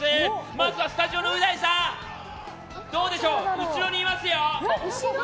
まずはスタジオの、う大さんどうでしょう、後ろにいますよ！